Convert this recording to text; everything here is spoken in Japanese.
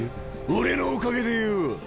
俺のおかげでよ！